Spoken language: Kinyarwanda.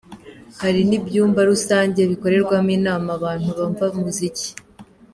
Hari n’ibyumba rusange bikorerwamo inama abantu bumva umuziki”.